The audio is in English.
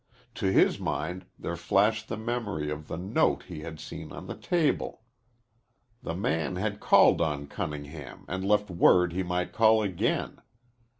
To his mind there flashed the memory of the note he had seen on the table. The man had called on Cunningham and left word he might call again.